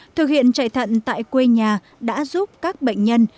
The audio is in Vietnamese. thực hiện chạy thận tại quê nhà đã giúp các bệnh nhân